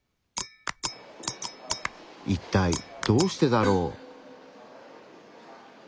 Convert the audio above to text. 一体どうしてだろう？